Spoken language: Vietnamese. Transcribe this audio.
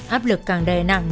áp lực càng đè nặng